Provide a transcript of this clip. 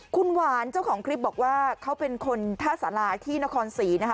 คุณหวานเจ้าของคลิปบอกว่าเขาเป็นคนท่าสาราที่นครศรีนะคะ